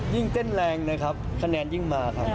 ยิ่งเต้นแรงนะครับคะแนนยิ่งมาครับ